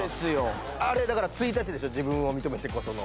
あれだから１日でしょ「自分を認めてこそ」の。